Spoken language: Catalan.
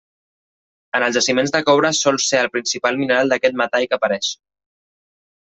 En els jaciments de coure sol ser el principal mineral d'aquest metall que apareix.